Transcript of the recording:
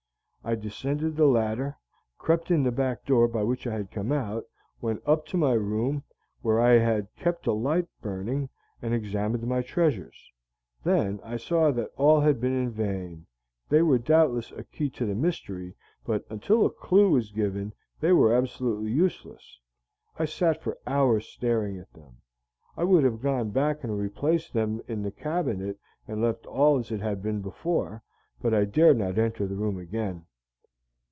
I descended the ladder, crept in the back door by which I had come out, went up to my room, where I had kept a light burning, and examined my treasures. Then I saw that all had been in vain. They were doubtless a key to the mystery, but until a clew was given they were absolutely useless. I sat for hours staring at them. I would have gone back and replaced them in the cabinet and left all as it had been before, but I dared not enter the room again.